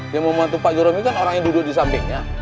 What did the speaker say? yang mau bantu pak juremi kan orang yang duduk disampingnya